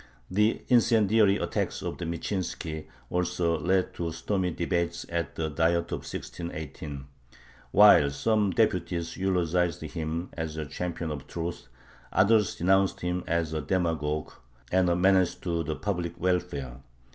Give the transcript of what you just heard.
The incendiary attacks of Michinski also led to stormy debates at the Diet of 1618. While some deputies eulogized him as a champion of truth, others denounced him as a demagogue and a menace to the public welfare.